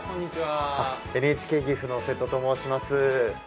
ＮＨＫ岐阜の瀬戸と申します。